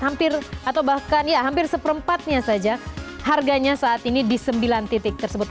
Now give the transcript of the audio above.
hampir atau bahkan ya hampir seperempatnya saja harganya saat ini di sembilan titik tersebut